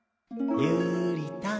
ゆりたん！